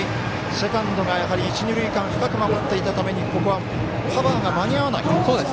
セカンドが、やはり一塁二塁間深く守っていたためにここは、カバーが間に合わない。